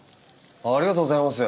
ありがとうございます。